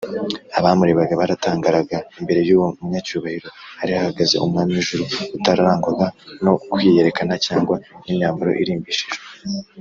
abamurebaga baratangaraga imbere y’uwo munyacyubahiro hari hahagaze umwami w’ijuru, utararangwaga no kwiyerekana cyangwa n’imyambaro irimbishijwe